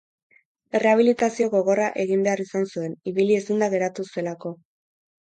Errehabilitazio gogorra egin behar izan zuen, ibili ezinda geratu zelako.